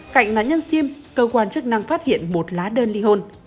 cạnh nạn nhân sim cơ quan chức năng phát hiện một lá đơn ly hôn